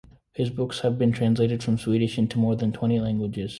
His books have been translated from Swedish into more than twenty languages.